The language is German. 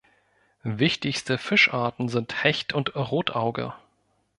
Wichtigste Fischarten sind Hecht und Rotauge.